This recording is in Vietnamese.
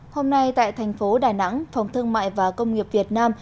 hôm nay tại tp đà nẵng phòng thương mại và công nghiệp việt nam